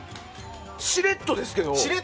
しれっとですけど。